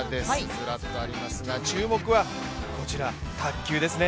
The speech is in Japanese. ずらっとありますが、注目はこちら卓球ですね。